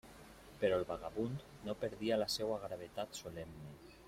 Però el vagabund no perdia la seua gravetat solemne.